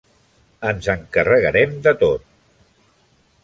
Ens encarregarem de tot!